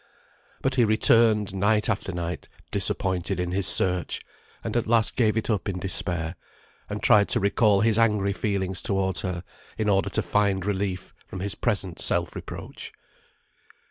But he returned, night after night, disappointed in his search, and at last gave it up in despair, and tried to recall his angry feelings towards her, in order to find relief from his present self reproach.